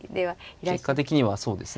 結果的にはそうですね。